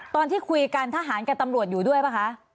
ตอนที่คุยกันทหารกับตำรวจอยู่ด้วยป่ะคะ